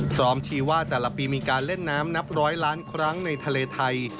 ชี้ว่าแต่ละปีมีการเล่นน้ำนับร้อยล้านครั้งในทะเลไทย